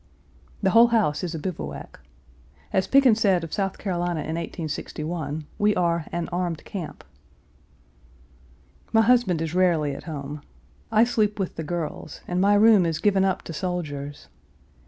The whole house is a bivouac. As Pickens said of South Carolina in 1861, we are "an armed camp." My husband is rarely at home. I sleep with the girls, and my room is given up to soldiers.